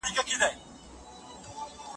چې د کیف و درد له اوره سپین راوخوت